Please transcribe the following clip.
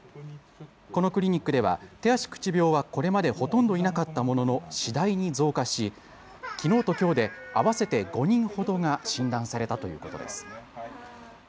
このクリニックでは手足口病はこれまでほとんどいなかったものの次第に増加しきのうときょうで合わせて５人ほどが診断されたということです。